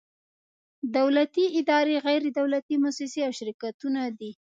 دولتي ادارې، غیر دولتي مؤسسې او شرکتونه دي.